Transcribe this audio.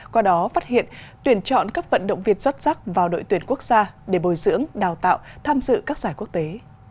qua đó phát hiện tuyển chọn các vận động viên xuất sắc vào đội tuyển quốc gia để bồi dưỡng đào tạo tham dự các giải quốc tế